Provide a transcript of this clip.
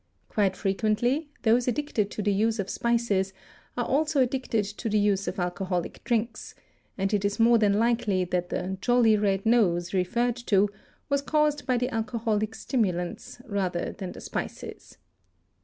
Quite frequently those addicted to the use of spices are also addicted to the use of alcoholic drinks, and it is more than likely that the "jolly red nose" referred to was caused by the alcoholic stimulants rather than the spices.